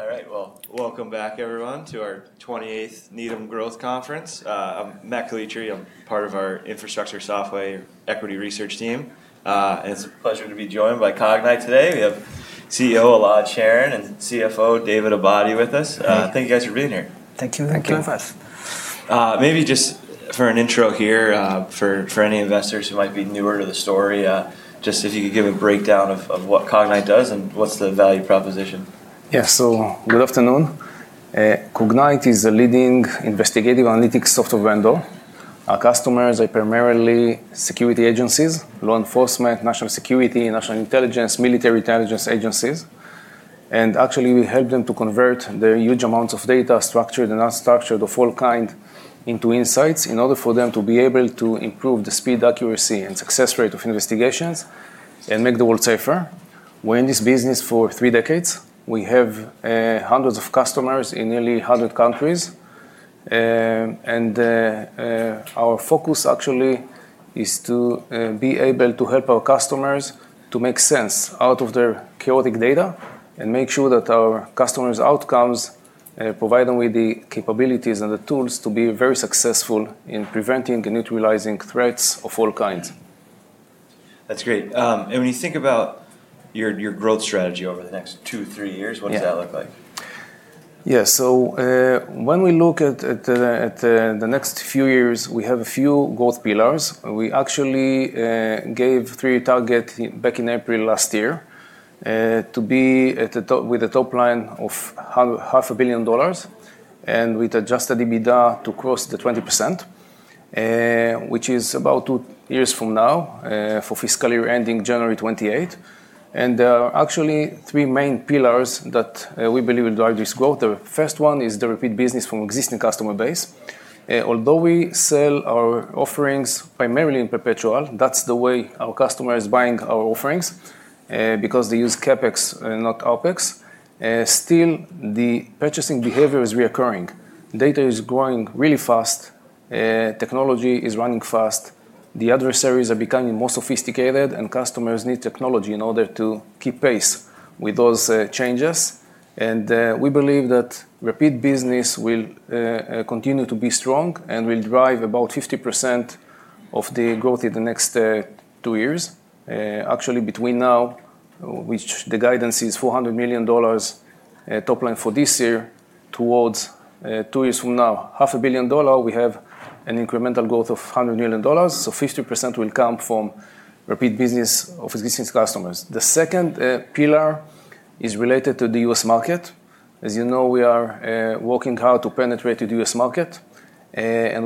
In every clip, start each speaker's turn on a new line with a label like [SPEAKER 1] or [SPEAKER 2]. [SPEAKER 1] All right, well, welcome back, everyone, to our 28th Needham Growth Conference. I'm Matt Calitri. I'm part of our Infrastructure Software Equity Research team, and it's a pleasure to be joined by Cognyte today. We have CEO Elad Sharon and CFO David Abadi with us. Thank you guys for being here.
[SPEAKER 2] Thank you for having us.
[SPEAKER 1] Maybe just for an intro here for any investors who might be newer to the story, just if you could give a breakdown of what Cognyte does and what's the value proposition.
[SPEAKER 3] Yes. Good afternoon. Cognyte is a leading investigative analytics software vendor. Our customers are primarily security agencies, law enforcement, national security, national intelligence, military intelligence agencies. Actually, we help them to convert the huge amounts of data, structured and unstructured, of all kinds, into insights in order for them to be able to improve the speed, accuracy, and success rate of investigations and make the world safer. We're in this business for three decades. We have hundreds of customers in nearly 100 countries. Our focus actually is to be able to help our customers to make sense out of their chaotic data and make sure that our customers' outcomes provide them with the capabilities and the tools to be very successful in preventing and neutralizing threats of all kinds.
[SPEAKER 1] That's great. And when you think about your growth strategy over the next two, three years, what does that look like?
[SPEAKER 3] Yeah. So when we look at the next few years, we have a few growth pillars. We actually gave three targets back in April last year to be with a top line of $500 million and with adjusted EBITDA to close to 20%, which is about two years from now for fiscal year ending January 2028. And there are actually three main pillars that we believe will drive this growth. The first one is the repeat business from existing customer base. Although we sell our offerings primarily in perpetual, that's the way our customers are buying our offerings because they use CapEx and not OpEx. Still, the purchasing behavior is recurring. Data is growing really fast. Technology is running fast. The adversaries are becoming more sophisticated, and customers need technology in order to keep pace with those changes. We believe that repeat business will continue to be strong and will drive about 50% of the growth in the next two years. Actually, between now, which the guidance is $400 million top line for this year towards two years from now, $500 million, we have an incremental growth of $100 million. So 50% will come from repeat business of existing customers. The second pillar is related to the U.S. market. As you know, we are working hard to penetrate the U.S. market.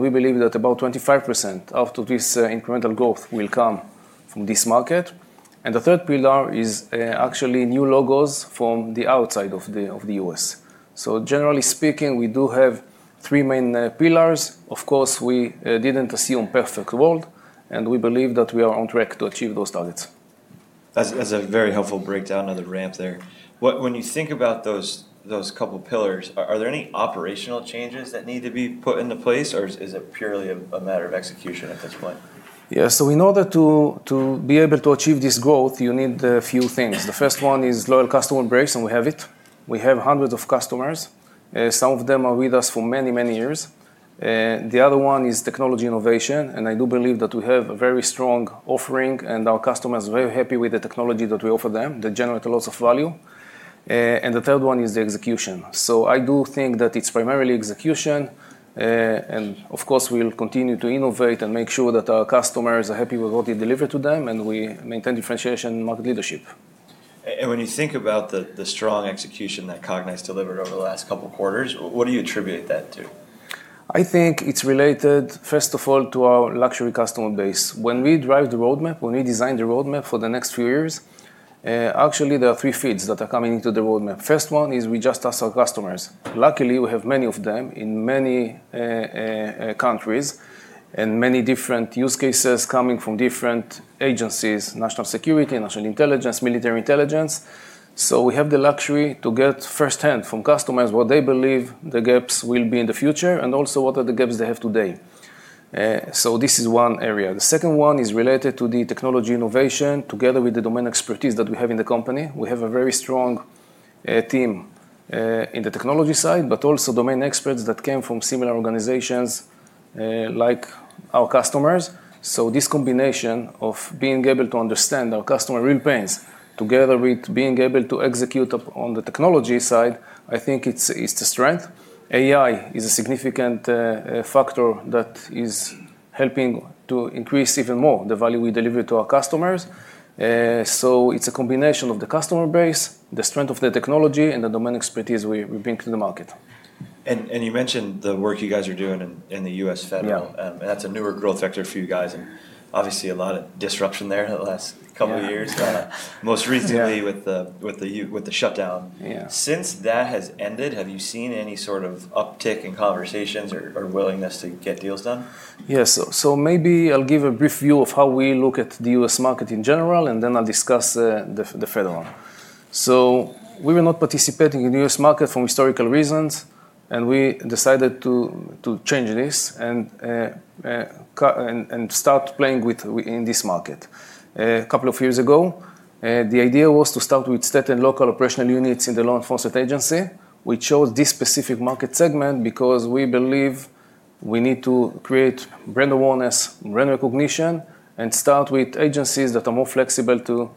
[SPEAKER 3] We believe that about 25% of this incremental growth will come from this market. The third pillar is actually new logos from the outside of the U.S.. So generally speaking, we do have three main pillars. Of course, we didn't assume perfect world, and we believe that we are on track to achieve those targets.
[SPEAKER 1] That's a very helpful breakdown of the ramp there. When you think about those couple of pillars, are there any operational changes that need to be put into place, or is it purely a matter of execution at this point?
[SPEAKER 3] Yeah. So in order to be able to achieve this growth, you need a few things. The first one is loyal customer embrace, and we have it. We have hundreds of customers. Some of them are with us for many, many years. The other one is technology innovation. And I do believe that we have a very strong offering, and our customers are very happy with the technology that we offer them that generates lots of value. And the third one is the execution. So I do think that it's primarily execution. And of course, we'll continue to innovate and make sure that our customers are happy with what we deliver to them, and we maintain differentiation and market leadership.
[SPEAKER 1] When you think about the strong execution that Cognyte's delivered over the last couple of quarters, what do you attribute that to?
[SPEAKER 3] I think it's related, first of all, to our large customer base. When we drive the roadmap, when we design the roadmap for the next few years, actually, there are three feeds that are coming into the roadmap. First one is we just ask our customers. Luckily, we have many of them in many countries and many different use cases coming from different agencies, national security, national intelligence, military intelligence. So we have the luxury to get firsthand from customers what they believe the gaps will be in the future and also what are the gaps they have today. So this is one area. The second one is related to the technology innovation. Together with the domain expertise that we have in the company, we have a very strong team in the technology side, but also domain experts that came from similar organizations like our customers. So this combination of being able to understand our customers' real pains together with being able to execute on the technology side, I think it's a strength. AI is a significant factor that is helping to increase even more the value we deliver to our customers. So it's a combination of the customer base, the strength of the technology, and the domain expertise we bring to the market.
[SPEAKER 1] You mentioned the work you guys are doing in the U.S. federal. That's a newer growth vector for you guys. Obviously, a lot of disruption there in the last couple of years, most recently with the shutdown. Since that has ended, have you seen any sort of uptick in conversations or willingness to get deals done?
[SPEAKER 3] Yes. So maybe I'll give a brief view of how we look at the U.S. market in general, and then I'll discuss the federal. So we were not participating in the U.S. market for historical reasons, and we decided to change this and start playing in this market. A couple of years ago, the idea was to start with state and local operational units in the law enforcement agency. We chose this specific market segment because we believe we need to create brand awareness, brand recognition, and start with agencies that are more flexible to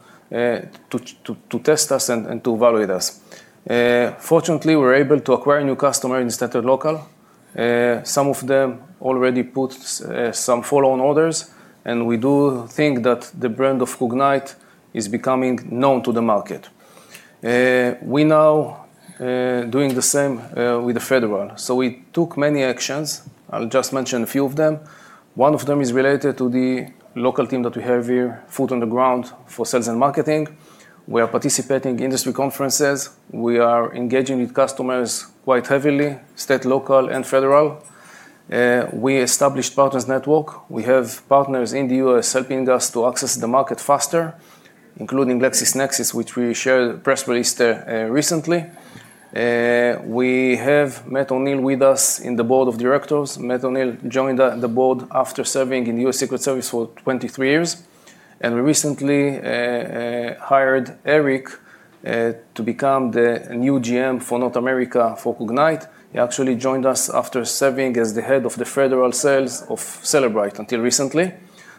[SPEAKER 3] test us and to evaluate us. Fortunately, we were able to acquire new customers in state and local. Some of them already put some follow-on orders, and we do think that the brand of Cognyte is becoming known to the market. We're now doing the same with the federal. So we took many actions. I'll just mention a few of them. One of them is related to the local team that we have here, foot on the ground for sales and marketing. We are participating in industry conferences. We are engaging with customers quite heavily, state, local, and federal. We established partners' network. We have partners in the U.S. helping us to access the market faster, including LexisNexis, which we shared a press release recently. We have Matt O'Neill with us in the board of directors. Matt O'Neill joined the board after serving in the U.S. Secret Service for 23 years. We recently hired Eric to become the new GM for North America for Cognyte. He actually joined us after serving as the head of the federal sales of Cellebrite until recently.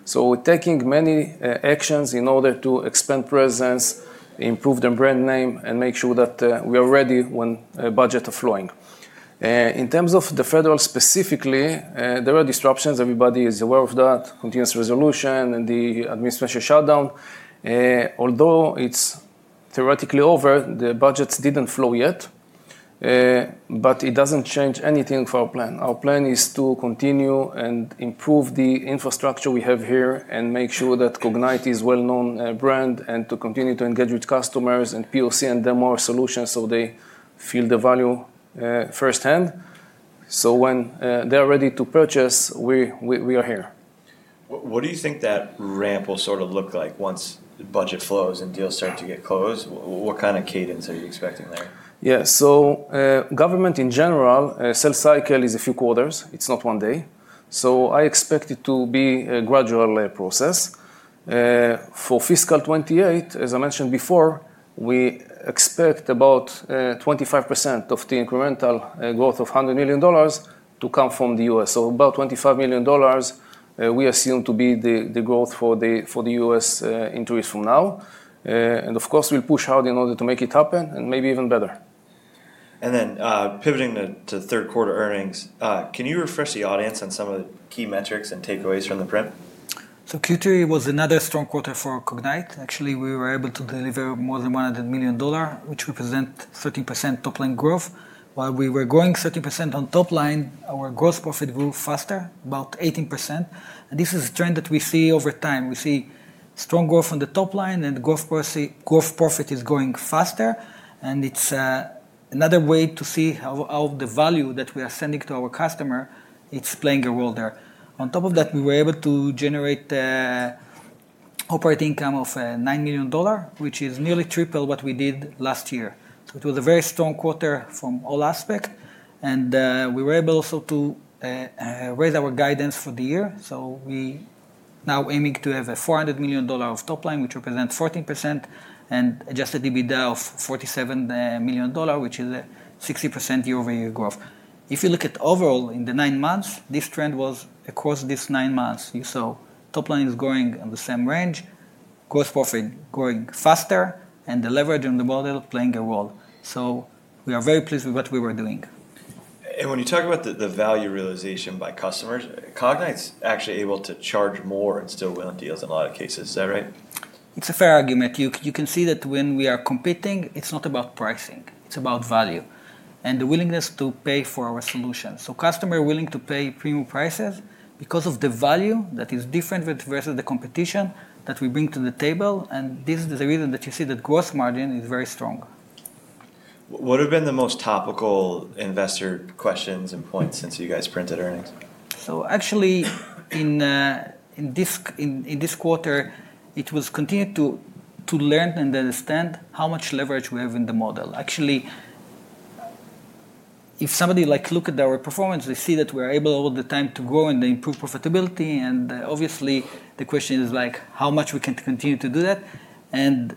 [SPEAKER 3] So we're taking many actions in order to expand presence, improve the brand name, and make sure that we are ready when budgets are flowing. In terms of the federal specifically, there are disruptions. Everybody is aware of that, continuing resolution, and the administration shutdown. Although it's theoretically over, the budgets didn't flow yet. But it doesn't change anything for our plan. Our plan is to continue and improve the infrastructure we have here and make sure that Cognyte is a well-known brand and to continue to engage with customers and POC and demo our solutions so they feel the value firsthand. So when they are ready to purchase, we are here.
[SPEAKER 1] What do you think that ramp will sort of look like once the budget flows and deals start to get closed? What kind of cadence are you expecting there?
[SPEAKER 3] Yeah. So government in general, a sales cycle is a few quarters. It's not one day. So I expect it to be a gradual process. For fiscal 2028, as I mentioned before, we expect about 25% of the incremental growth of $100 million to come from the U.S. So about $25 million we assume to be the growth for the U.S. in three years from now. And of course, we'll push hard in order to make it happen and maybe even better.
[SPEAKER 1] Pivoting to third quarter earnings, can you refresh the audience on some of the key metrics and takeaways from the print?
[SPEAKER 2] Q3 was another strong quarter for Cognyte. Actually, we were able to deliver more than $100 million, which represents 30% top line growth. While we were growing 30% on top line, our gross profit grew faster, about 18%. This is a trend that we see over time. We see strong growth on the top line, and gross profit is growing faster. It's another way to see how the value that we are sending to our customer, it's playing a role there. On top of that, we were able to generate operating income of $9 million, which is nearly triple what we did last year. It was a very strong quarter from all aspects. We were able also to raise our guidance for the year. So we are now aiming to have $400 million of top line, which represents 14%, and Adjusted EBITDA of $47 million, which is a 60% year-over-year growth. If you look at overall in the nine months, this trend was across these nine months. So top line is growing in the same range, gross profit growing faster, and the leverage on the model playing a role. So we are very pleased with what we were doing.
[SPEAKER 1] When you talk about the value realization by customers, Cognyte's actually able to charge more and still win deals in a lot of cases. Is that right?
[SPEAKER 2] It's a fair argument. You can see that when we are competing, it's not about pricing. It's about value and the willingness to pay for our solutions. So customers are willing to pay premium prices because of the value that is different versus the competition that we bring to the table. And this is the reason that you see that gross margin is very strong.
[SPEAKER 1] What have been the most topical investor questions and points since you guys printed earnings?
[SPEAKER 2] So actually, in this quarter, it was continued to learn and understand how much leverage we have in the model. Actually, if somebody looks at our performance, they see that we are able all the time to grow and improve profitability, and obviously, the question is how much we can continue to do that, and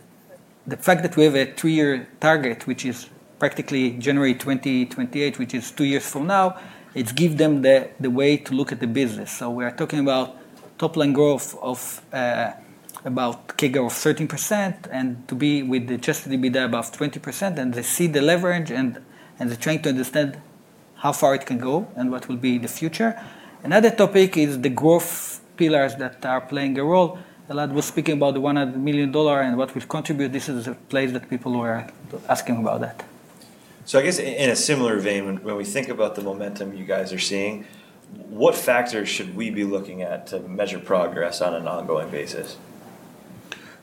[SPEAKER 2] the fact that we have a three-year target, which is practically January 2028, which is two years from now, it's given them the way to look at the business, so we are talking about top line growth of about a CAGR of 13% and to be with Adjusted EBITDA above 20%, and they see the leverage, and they're trying to understand how far it can go and what will be the future. Another topic is the growth pillars that are playing a role. Elad was speaking about the $100 million and what we've contributed. This is a place that people were asking about that.
[SPEAKER 1] So I guess in a similar vein, when we think about the momentum you guys are seeing, what factors should we be looking at to measure progress on an ongoing basis?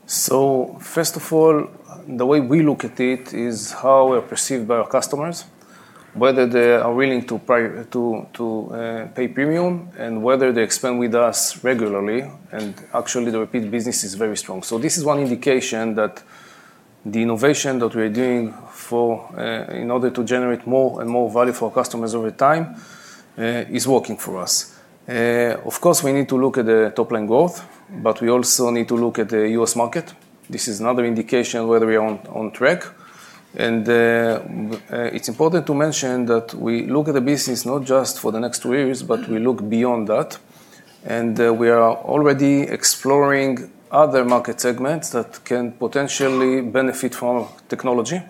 [SPEAKER 3] So first of all, the way we look at it is how we are perceived by our customers, whether they are willing to pay premium and whether they expand with us regularly. And actually, the repeat business is very strong. So this is one indication that the innovation that we are doing in order to generate more and more value for our customers over time is working for us. Of course, we need to look at the top line growth, but we also need to look at the U.S. market. This is another indication whether we are on track. And it's important to mention that we look at the business not just for the next two years, but we look beyond that. And we are already exploring other market segments that can potentially benefit from technology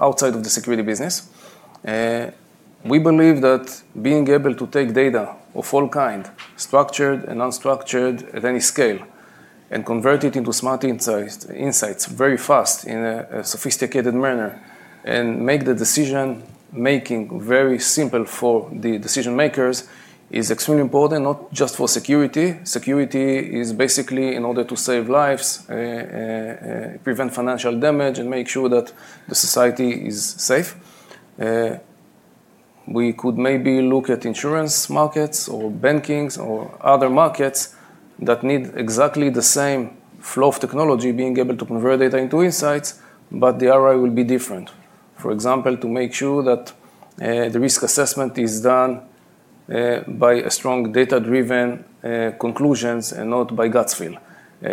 [SPEAKER 3] outside of the security business. We believe that being able to take data of all kinds, structured and unstructured at any scale, and convert it into smart insights very fast in a sophisticated manner and make the decision-making very simple for the decision-makers is extremely important, not just for security. Security is basically in order to save lives, prevent financial damage, and make sure that the society is safe. We could maybe look at insurance markets or banking or other markets that need exactly the same flow of technology, being able to convert data into insights, but the ROI will be different. For example, to make sure that the risk assessment is done by strong data-driven conclusions and not by gut feel,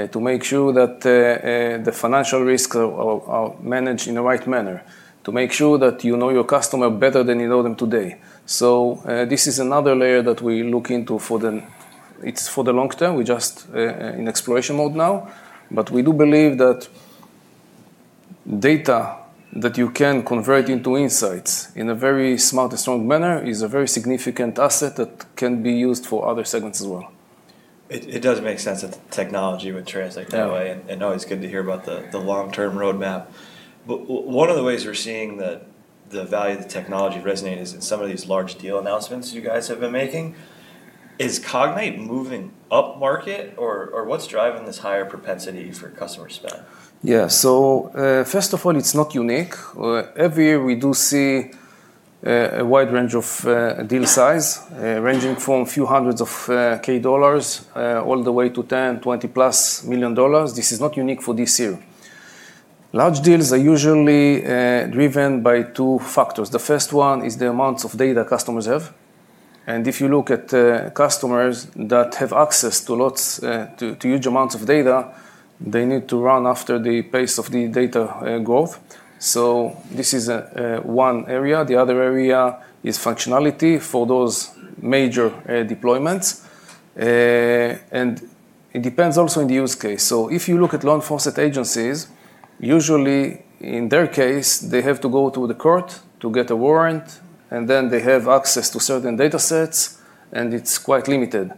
[SPEAKER 3] to make sure that the financial risks are managed in the right manner, to make sure that you know your customer better than you know them today. So this is another layer that we look into for the long term. We're just in exploration mode now. But we do believe that data that you can convert into insights in a very smart and strong manner is a very significant asset that can be used for other segments as well.
[SPEAKER 1] It does make sense that the technology would transact that way and always good to hear about the long-term roadmap. One of the ways we're seeing the value of the technology resonate is in some of these large deal announcements you guys have been making. Is Cognyte moving up market, or what's driving this higher propensity for customer spend?
[SPEAKER 3] Yeah. So first of all, it's not unique. Every year we do see a wide range of deal size, ranging from a few hundreds of K dollars all the way to $10-$20-plus million. This is not unique for this year. Large deals are usually driven by two factors. The first one is the amounts of data customers have. And if you look at customers that have access to huge amounts of data, they need to run after the pace of the data growth. So this is one area. The other area is functionality for those major deployments. And it depends also on the use case. So if you look at law enforcement agencies, usually in their case, they have to go to the court to get a warrant, and then they have access to certain data sets, and it's quite limited.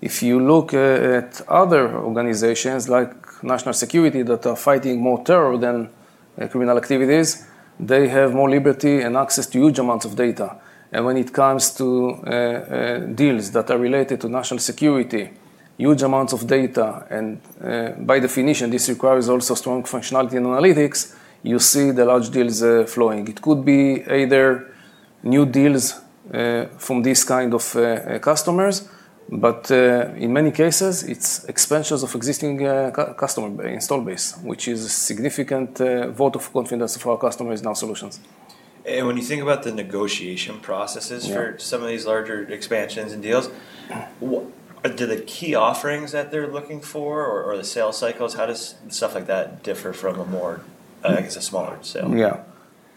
[SPEAKER 3] If you look at other organizations like national security that are fighting more terror than criminal activities, they have more liberty and access to huge amounts of data. And when it comes to deals that are related to national security, huge amounts of data, and by definition, this requires also strong functionality and analytics, you see the large deals flowing. It could be either new deals from these kinds of customers, but in many cases, it's expansions of existing customer install base, which is a significant vote of confidence in our solutions.
[SPEAKER 1] When you think about the negotiation processes for some of these larger expansions and deals, do the key offerings that they're looking for or the sales cycles, how does stuff like that differ from a more, I guess, a smaller sale?
[SPEAKER 3] Yeah.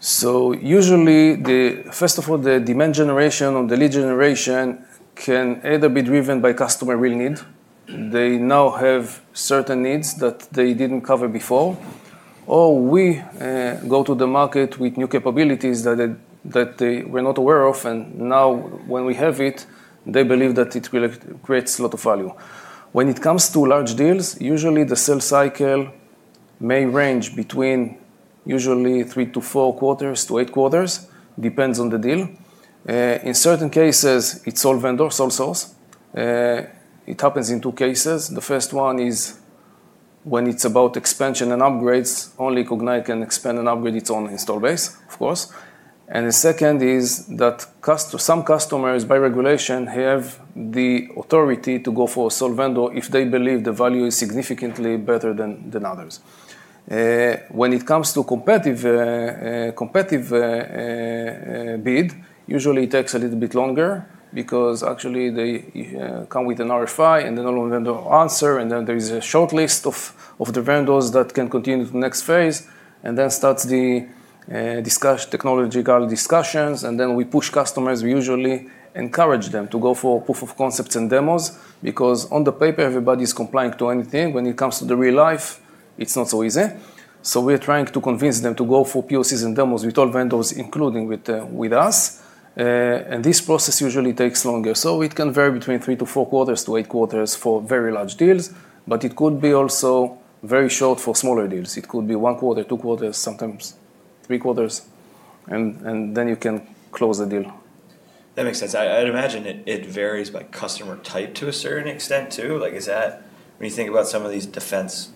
[SPEAKER 3] So usually, first of all, the demand generation or the lead generation can either be driven by customer real need. They now have certain needs that they didn't cover before, or we go to the market with new capabilities that they were not aware of, and now when we have it, they believe that it creates a lot of value. When it comes to large deals, usually the sales cycle may range between usually three to four quarters to eight quarters, depends on the deal. In certain cases, it's sole vendor, sole source. It happens in two cases. The first one is when it's about expansion and upgrades. Only Cognyte can expand and upgrade its own install base, of course, and the second is that some customers, by regulation, have the authority to go for a sole vendor if they believe the value is significantly better than others. When it comes to competitive bid, usually it takes a little bit longer because actually they come with an RFI, and then all vendors answer, and then there is a short list of the vendors that can continue to the next phase, and then starts the technological discussions. And then we push customers. We usually encourage them to go for proof of concepts and demos because on paper, everybody's complying to anything. When it comes to the real life, it's not so easy. So we are trying to convince them to go for POCs and demos with all vendors, including with us. And this process usually takes longer. So it can vary between three to four quarters to eight quarters for very large deals, but it could be also very short for smaller deals. It could be one quarter, two quarters, sometimes three quarters, and then you can close the deal.
[SPEAKER 1] That makes sense. I'd imagine it varies by customer type to a certain extent too. When you think about some of these defense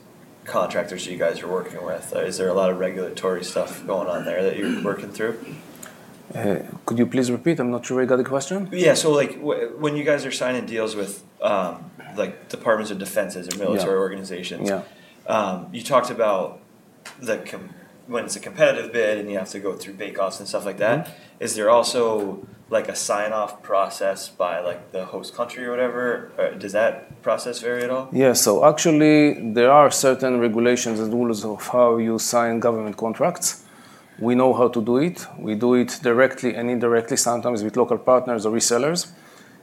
[SPEAKER 1] contractors you guys are working with, is there a lot of regulatory stuff going on there that you're working through?
[SPEAKER 3] Could you please repeat? I'm not sure I got the question.
[SPEAKER 1] Yeah. So when you guys are signing deals with Departments of Defense as a military organization, you talked about when it's a competitive bid and you have to go through bake-offs and stuff like that. Is there also a sign-off process by the host country or whatever? Does that process vary at all?
[SPEAKER 3] Yeah. So actually, there are certain regulations and rules of how you sign government contracts. We know how to do it. We do it directly and indirectly, sometimes with local partners or resellers.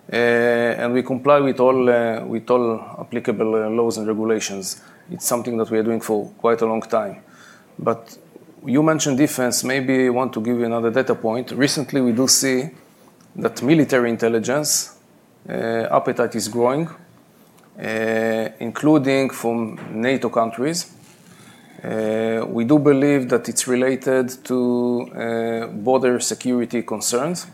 [SPEAKER 3] And we comply with all applicable laws and regulations. It's something that we are doing for quite a long time. But you mentioned defense. Maybe I want to give you another data point. Recently, we do see that military intelligence appetite is growing, including from NATO countries. We do believe that it's related to border security concerns,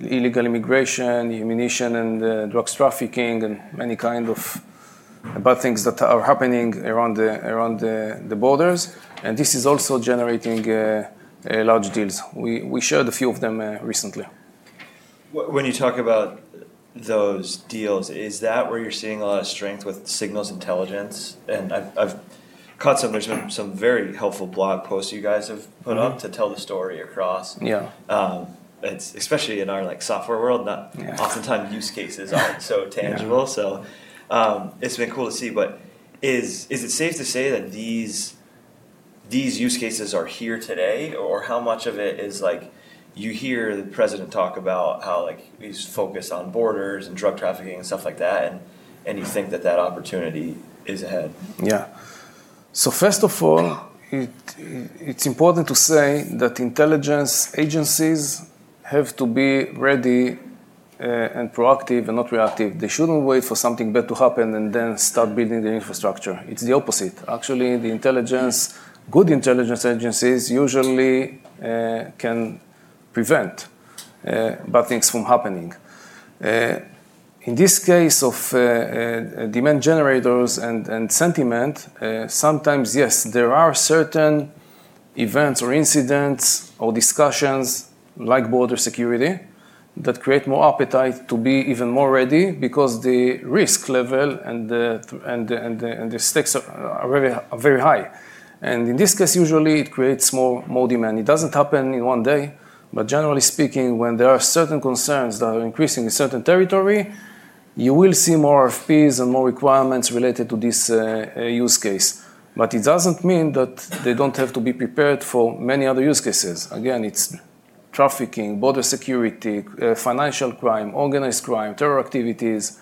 [SPEAKER 3] illegal immigration, ammunition, and drugs trafficking, and many kinds of bad things that are happening around the borders. And this is also generating large deals. We shared a few of them recently.
[SPEAKER 1] When you talk about those deals, is that where you're seeing a lot of strength with signals intelligence, and I've caught some very helpful blog posts you guys have put up to tell the story across, especially in our software world. Oftentimes, use cases aren't so tangible, so it's been cool to see, but is it safe to say that these use cases are here today, or how much of it is you hear the president talk about how he's focused on borders and drug trafficking and stuff like that, and you think that that opportunity is ahead?
[SPEAKER 3] Yeah. So first of all, it's important to say that intelligence agencies have to be ready and proactive and not reactive. They shouldn't wait for something bad to happen and then start building their infrastructure. It's the opposite. Actually, the intelligence, good intelligence agencies usually can prevent bad things from happening. In this case of demand generators and sentiment, sometimes, yes, there are certain events or incidents or discussions like border security that create more appetite to be even more ready because the risk level and the stakes are very high. And in this case, usually it creates more demand. It doesn't happen in one day. But generally speaking, when there are certain concerns that are increasing in certain territory, you will see more needs and more requirements related to this use case. But it doesn't mean that they don't have to be prepared for many other use cases. Again, it's trafficking, border security, financial crime, organized crime, terror activities,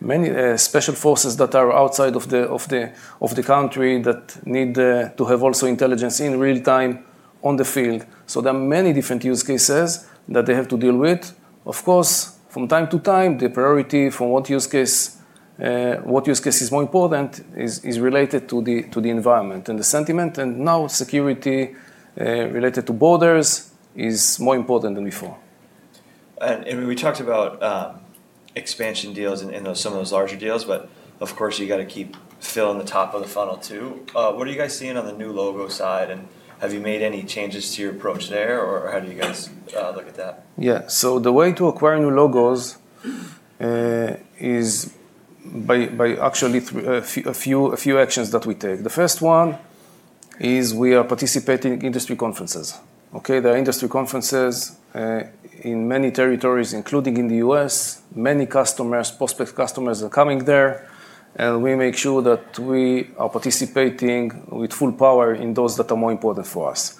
[SPEAKER 3] many special forces that are outside of the country that need to have also intelligence in real time on the field. So there are many different use cases that they have to deal with. Of course, from time to time, the priority for what use case is more important is related to the environment and the sentiment. And now security related to borders is more important than before.
[SPEAKER 1] We talked about expansion deals and some of those larger deals, but of course, you got to keep filling the top of the funnel too. What are you guys seeing on the new logo side, and have you made any changes to your approach there, or how do you guys look at that?
[SPEAKER 3] Yeah. So the way to acquire new logos is by actually a few actions that we take. The first one is we are participating in industry conferences. There are industry conferences in many territories, including in the U.S. Many customers, prospect customers are coming there, and we make sure that we are participating with full power in those that are more important for us.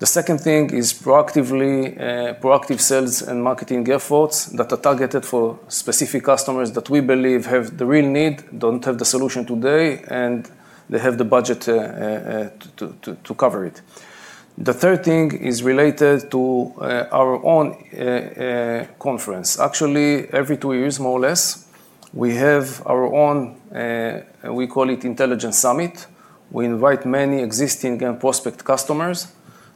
[SPEAKER 3] The second thing is proactive sales and marketing efforts that are targeted for specific customers that we believe have the real need, don't have the solution today, and they have the budget to cover it. The third thing is related to our own conference. Actually, every two years, more or less, we have our own, we call it Intelligence Summit. We invite many existing and prospect customers.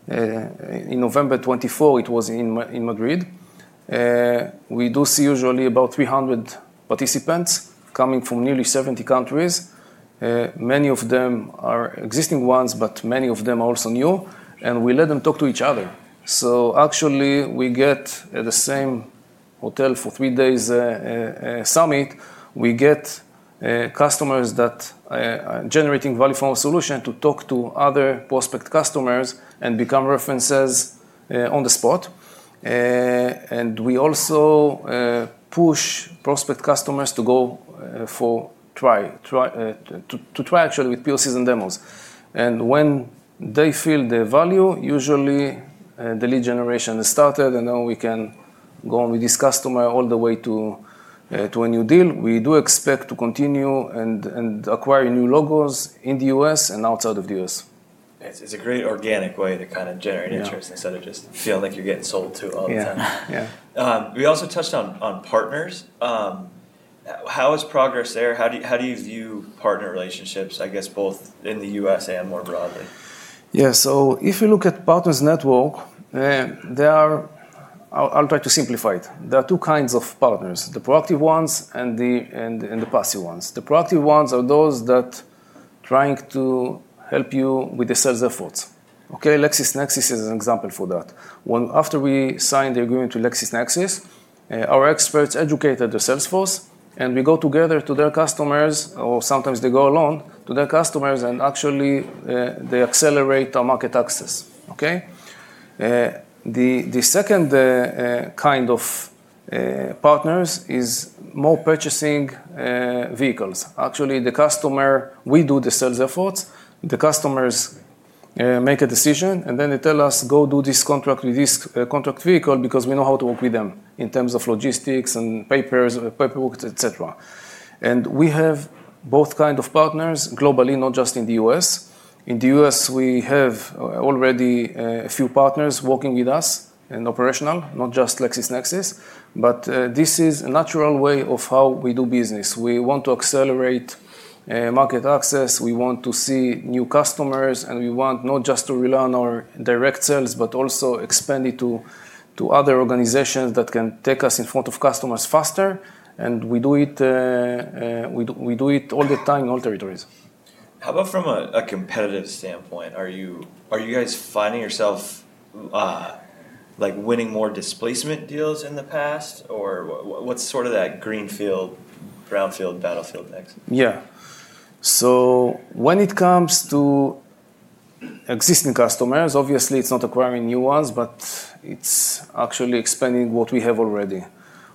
[SPEAKER 3] In November 2024, it was in Madrid. We do see usually about 300 participants coming from nearly 70 countries. Many of them are existing ones, but many of them are also new, and we let them talk to each other. So actually, we get at the same hotel for three days summit, we get customers that are generating value for our solution to talk to other prospect customers and become references on the spot. And we also push prospect customers to go to try actually with POCs and demos. And when they feel the value, usually the lead generation is started, and then we can go on with this customer all the way to a new deal. We do expect to continue and acquire new logos in the U.S. and outside of the U.S.
[SPEAKER 1] It's a great organic way to kind of generate interest instead of just feeling like you're getting sold to all the time.
[SPEAKER 3] Yeah.
[SPEAKER 1] We also touched on partners. How is progress there? How do you view partner relationships, I guess, both in the U.S. and more broadly?
[SPEAKER 3] Yeah. So if you look at partners' network, there are. I'll try to simplify it. There are two kinds of partners: the proactive ones and the passive ones. The proactive ones are those that are trying to help you with the sales efforts. LexisNexis is an example for that. After we signed the agreement with LexisNexis, our experts educated the sales force, and we go together to their customers, or sometimes they go alone to their customers, and actually they accelerate our market access. The second kind of partners is more purchasing vehicles. Actually, the customer, we do the sales efforts. The customers make a decision, and then they tell us, "Go do this contract with this contract vehicle because we know how to work with them in terms of logistics and paperwork," et cetera. And we have both kinds of partners globally, not just in the U.S.. In the U.S., we have already a few partners working with us and operational, not just LexisNexis. But this is a natural way of how we do business. We want to accelerate market access. We want to see new customers, and we want not just to rely on our direct sales, but also expand it to other organizations that can take us in front of customers faster. And we do it all the time in all territories.
[SPEAKER 1] How about from a competitive standpoint? Are you guys finding yourself winning more displacement deals in the past, or what's sort of that greenfield, battlefield next?
[SPEAKER 3] Yeah. So when it comes to existing customers, obviously, it's not acquiring new ones, but it's actually expanding what we have already.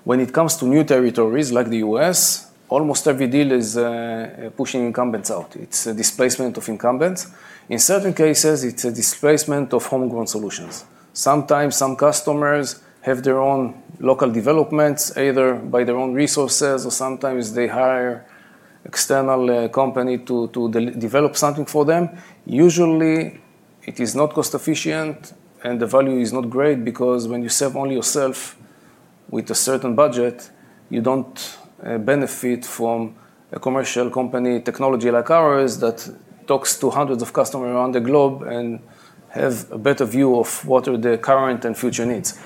[SPEAKER 3] When it comes to new territories like the U.S., almost every deal is pushing incumbents out. It's a displacement of incumbents. In certain cases, it's a displacement of homegrown solutions. Sometimes some customers have their own local developments either by their own resources, or sometimes they hire an external company to develop something for them. Usually, it is not cost-efficient, and the value is not great because when you serve only yourself with a certain budget, you don't benefit from a commercial company technology like ours that talks to hundreds of customers around the globe and has a better view of what are the current and future needs.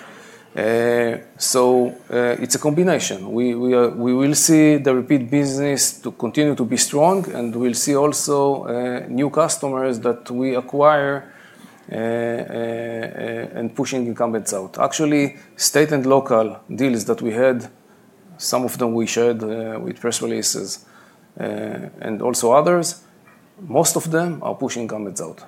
[SPEAKER 3] So it's a combination. We will see the repeat business to continue to be strong, and we'll see also new customers that we acquire and pushing incumbents out. Actually, state and local deals that we had, some of them we shared with press releases and also others, most of them are pushing incumbents out.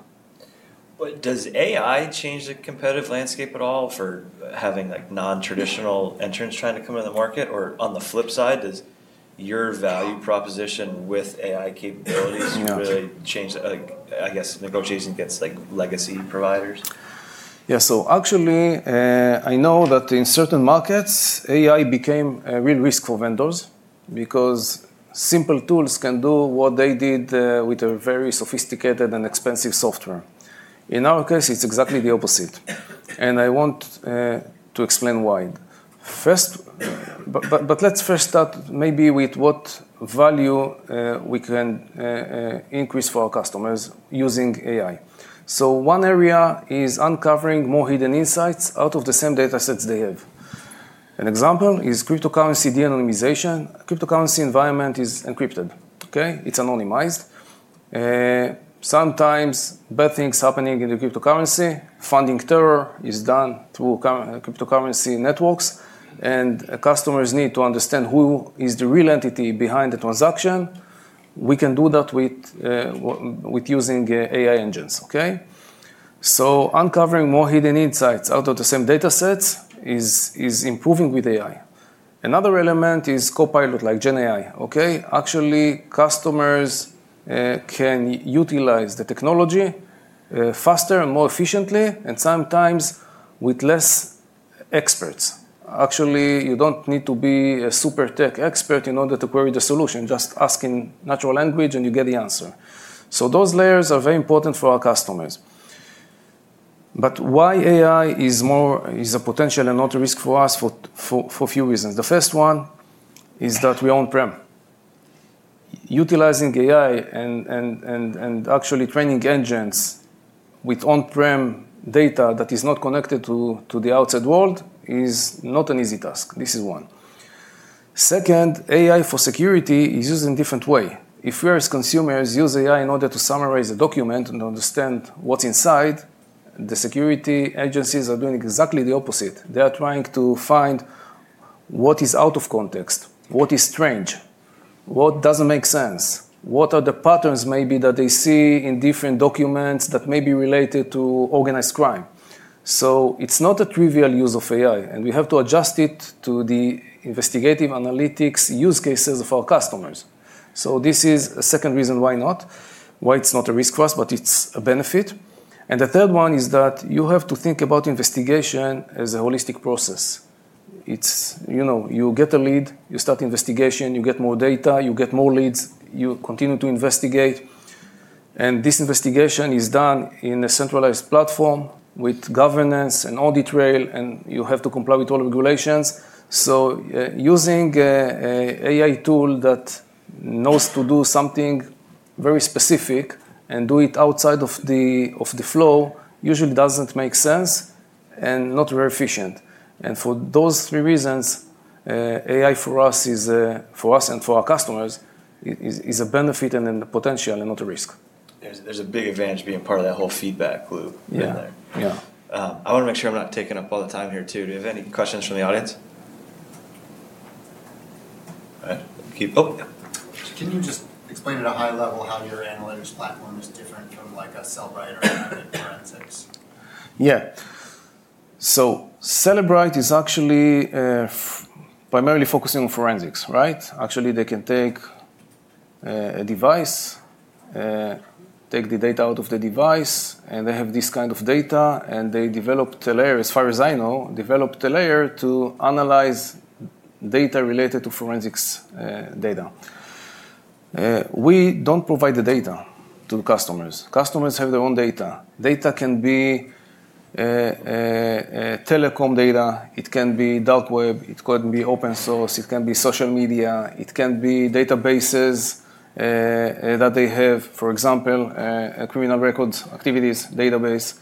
[SPEAKER 1] Does AI change the competitive landscape at all for having non-traditional entrants trying to come into the market? Or on the flip side, does your value proposition with AI capabilities really change, I guess, negotiating against legacy providers?
[SPEAKER 3] Yeah. So actually, I know that in certain markets, AI became a real risk for vendors because simple tools can do what they did with very sophisticated and expensive software. In our case, it's exactly the opposite. And I want to explain why. But let's first start maybe with what value we can increase for our customers using AI. So one area is uncovering more hidden insights out of the same data sets they have. An example is cryptocurrency de-anonymization. Cryptocurrency environment is encrypted. It's anonymized. Sometimes bad things happening in the cryptocurrency, funding terror is done through cryptocurrency networks, and customers need to understand who is the real entity behind the transaction. We can do that with using AI engines. So uncovering more hidden insights out of the same data sets is improving with AI. Another element is Copilot like GenAI. Actually, customers can utilize the technology faster and more efficiently, and sometimes with less experts. Actually, you don't need to be a super tech expert in order to query the solution. Just ask in natural language and you get the answer, so those layers are very important for our customers, but why AI is a potential and not a risk for us for a few reasons. The first one is that we are on-prem. Utilizing AI and actually training engines with on-prem data that is not connected to the outside world is not an easy task. This is one. Second, AI for security is used in a different way. If we as consumers use AI in order to summarize a document and understand what's inside, the security agencies are doing exactly the opposite. They are trying to find what is out of context, what is strange, what doesn't make sense, what are the patterns maybe that they see in different documents that may be related to organized crime. So it's not a trivial use of AI, and we have to adjust it to the investigative analytics use cases of our customers. So this is a second reason why not, why it's not a risk for us, but it's a benefit. And the third one is that you have to think about investigation as a holistic process. You get a lead, you start investigation, you get more data, you get more leads, you continue to investigate. And this investigation is done in a centralized platform with governance and audit trail, and you have to comply with all regulations. So using an AI tool that knows to do something very specific and do it outside of the flow usually doesn't make sense and not very efficient. And for those three reasons, AI for us and for our customers is a benefit and a potential and not a risk.
[SPEAKER 1] There's a big advantage being part of that whole feedback loop in there.
[SPEAKER 3] Yeah.
[SPEAKER 1] I want to make sure I'm not taking up all the time here too. Do you have any questions from the audience? Can you just explain at a high level how your analytics platform is different from a Cellebrite or forensics?
[SPEAKER 3] Yeah. Cellebrite is actually primarily focusing on forensics, right? Actually, they can take a device, take the data out of the device, and they have this kind of data, and they developed a layer, as far as I know, developed a layer to analyze data related to forensics data. We don't provide the data to the customers. Customers have their own data. Data can be telecom data. It can be dark web. It could be open source. It can be social media. It can be databases that they have, for example, a criminal records activities database.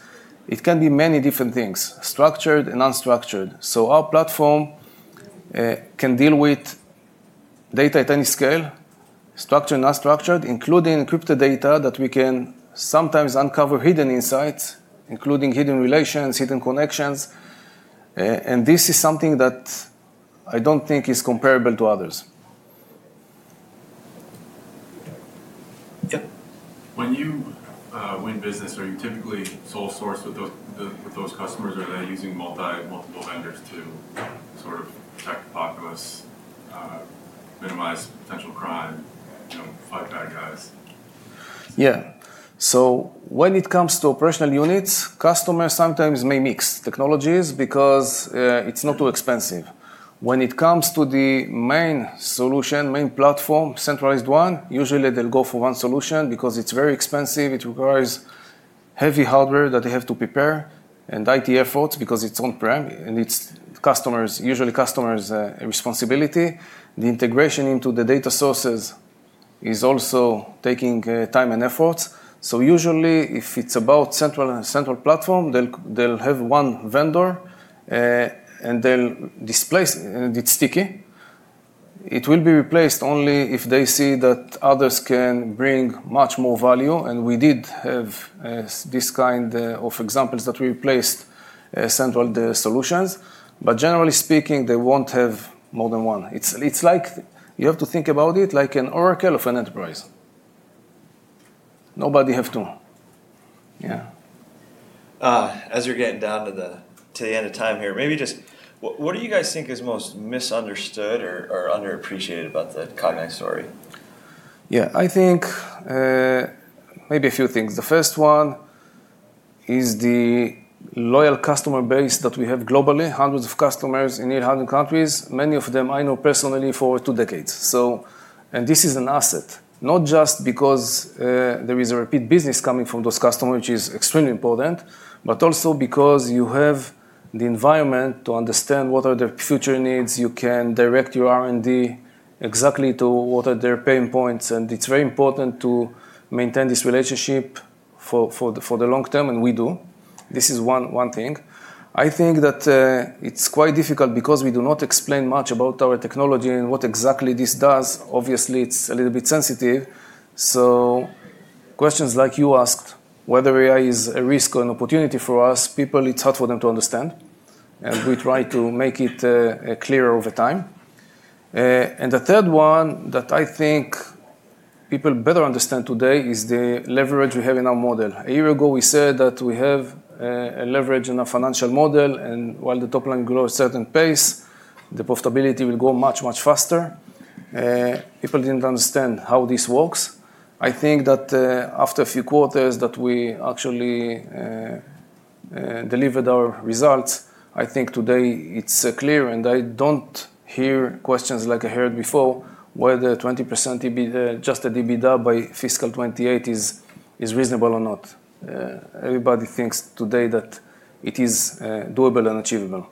[SPEAKER 3] It can be many different things, structured and unstructured. Our platform can deal with data at any scale, structured and unstructured, including encrypted data that we can sometimes uncover hidden insights, including hidden relations, hidden connections. This is something that I don't think is comparable to others.
[SPEAKER 1] When you win business, are you typically sole source with those customers, or are they using multiple vendors to sort of protect the populace, minimize potential crime, fight bad guys?
[SPEAKER 3] Yeah. So when it comes to operational units, customers sometimes may mix technologies because it's not too expensive. When it comes to the main solution, main platform, centralized one, usually they'll go for one solution because it's very expensive. It requires heavy hardware that they have to prepare and IT efforts because it's on-prem, and it's usually customer's responsibility. The integration into the data sources is also taking time and efforts. So usually, if it's about central platform, they'll have one vendor, and it's sticky. It will be replaced only if they see that others can bring much more value. And we did have this kind of examples that we replaced central solutions. But generally speaking, they won't have more than one. You have to think about it like an Oracle of an enterprise. Nobody has two. Yeah.
[SPEAKER 1] As we're getting down to the end of time here, maybe just what do you guys think is most misunderstood or underappreciated about the Cognyte story?
[SPEAKER 3] Yeah. I think maybe a few things. The first one is the loyal customer base that we have globally, hundreds of customers in nearly 100 countries, many of them I know personally for two decades. And this is an asset, not just because there is a repeat business coming from those customers, which is extremely important, but also because you have the environment to understand what are their future needs. You can direct your R&D exactly to what are their pain points. And it's very important to maintain this relationship for the long term, and we do. This is one thing. I think that it's quite difficult because we do not explain much about our technology and what exactly this does. Obviously, it's a little bit sensitive. So questions like you asked, whether AI is a risk or an opportunity for us, people, it's hard for them to understand. We try to make it clearer over time. The third one that I think people better understand today is the leverage we have in our model. A year ago, we said that we have a leverage in our financial model, and while the top line grows at a certain pace, the profitability will grow much, much faster. People didn't understand how this works. I think that after a few quarters that we actually delivered our results, I think today it's clear, and I don't hear questions like I heard before whether 20% adjusted EBITDA by fiscal 2028 is reasonable or not. Everybody thinks today that it is doable and achievable.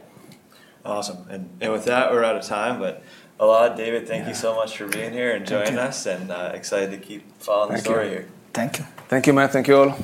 [SPEAKER 1] Awesome. And with that, we're out of time. But Elad, David, thank you so much for being here and joining us, and excited to keep following the story here.
[SPEAKER 2] Thank you.
[SPEAKER 3] Thank you, Matt. Thank you all.